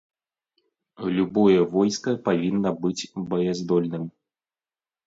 Любое войска павінна быць баяздольным.